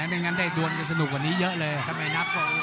ไม่งั้นได้โดนกันสนุกกว่านี้เยอะเลย